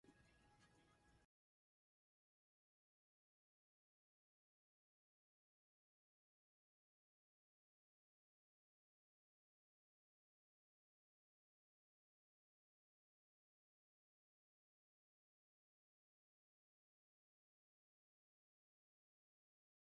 This is why we ask all officials in those cases to delegate decisions.